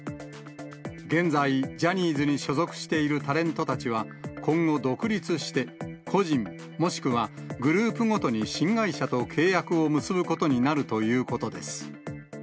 現在、ジャニーズに所属しているタレントたちは、今後、独立して、個人、もしくはグループごとに新会社と契約を結ぶことになるということです。